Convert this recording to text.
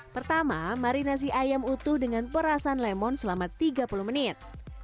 pertama marinasi ayam utuh dengan perasan lemon selama tiga puluh menit